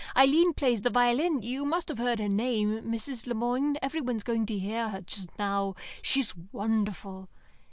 Eileen plays the violin you must have heard her name Mrs. Le Moine. Everyone's going to hear her just now; she's wonderful."